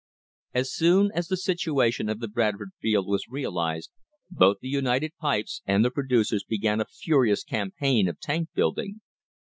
As soon as the situation of the Bradford field was realised both the United Pipes and the producers began a furious cam paign of tank building.